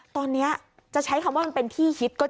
ตอนนี้จะใช้คำว่ามันเป็นที่ฮิตก็